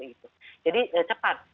waktu itu jadi cepat